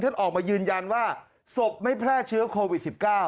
ออกมายืนยันว่าศพไม่แพร่เชื้อโควิด๑๙